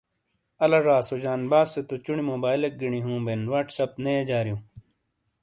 آلا ژا سو جانباز سے تو چونی موبائلیک گینی ہوں بین واٹس اپ نے یجاریوں